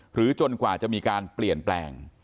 จนกว่าจะมีการเปลี่ยนแปลง